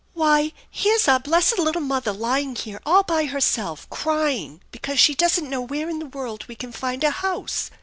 "Why, here's our blessed little mother lying here all by herself, crying because she doesn't know where in the world we can find a house